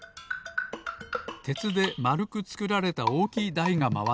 てつでまるくつくられたおおきいだいがまわっています。